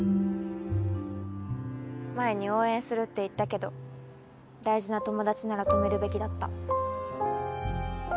前に応援するって言ったけど大事な友達なら止めるべきだった。